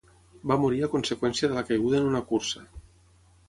Va morir a conseqüència de la caiguda en una cursa.